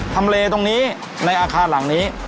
ทำเลตรงนี้ในอาคารหลังนี้